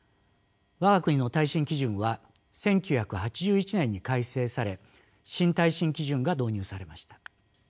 我が国の耐震基準は１９８１年に改正され新耐震基準が導入されました。